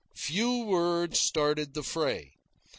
Few words started the fray.